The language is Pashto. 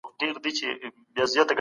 آیا تاسو غواړئ چي په وطن کي پاته سئ؟